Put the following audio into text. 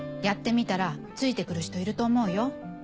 やってみたらついて来る人いると思うよ。